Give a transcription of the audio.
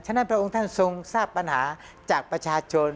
ฉะพระองค์ท่านทรงทราบปัญหาจากประชาชน